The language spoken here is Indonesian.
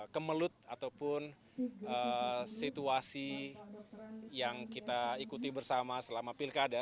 kemelut ataupun situasi yang kita ikuti bersama selama pilkada